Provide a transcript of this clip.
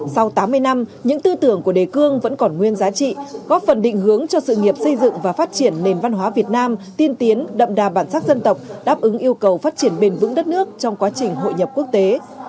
sau tám mươi năm những tư tưởng của đề cương vẫn còn nguyên giá trị góp phần định hướng cho sự nghiệp xây dựng và phát triển nền văn hóa việt nam tiên tiến đậm đà bản sắc dân tộc đáp ứng yêu cầu phát triển bền vững đất nước trong quá trình hội nhập quốc tế